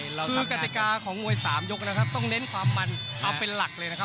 คือกติกาของมวย๓ยกนะครับต้องเน้นความมันเอาเป็นหลักเลยนะครับ